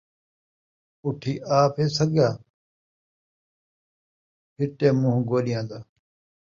اُٹھی آپ ہ سڳاں، پھٹے مونہہ گوݙیاں دا